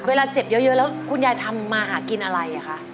เวลาเจ็บเยอะแล้วคุณยายทำมาหากินอะไรคะ